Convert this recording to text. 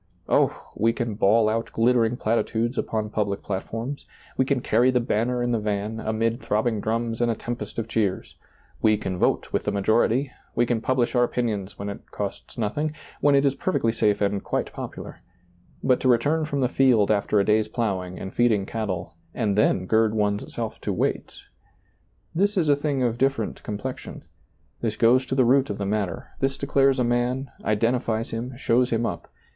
Oh t we can bawl out glittering platitudes upon public plat forms ; we can carry the banner in the van, amid throbbing drums and a tempest of cheers; we can vote with the majority; we can publish our opinions when it costs nothing, when it is per fectly safe and quite popular ; but to return from the field after a day's plowing and feeding cattle, and then gird one's self to wait — this is a thing of different complection ; this goes to the root of the matter; this declares a man, identifies him, shows him up.